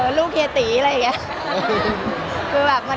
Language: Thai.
มันเป็นเรื่องน่ารักที่เวลาเจอกันเราต้องแซวอะไรอย่างเงี้ย